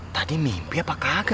tadi mimpi apa kagak ya